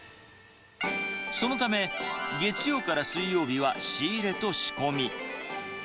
そのため、月曜から水曜日は仕入れと仕込み。